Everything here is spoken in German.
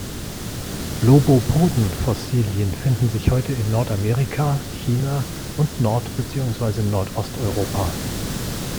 Lobopoden-Fossilien finden sich heute in Nordamerika, China und Nord- beziehungsweise Nordost-Europa.